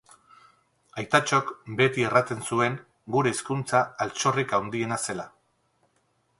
Aitatxok beti erraten zuen , gure hizkuntza altxorrik haundiena zela